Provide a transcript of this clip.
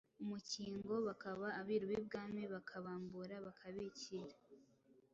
U Mukingo ,bakaba abiru b’I Bwami bakabambura bakabikira.